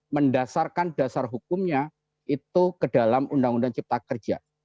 mendasarkan dasar hukumnya itu ke dalam undang undang cipta kerja